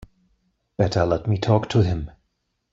Better let me talk to him.